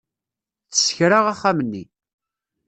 Tessekra axxam-nni.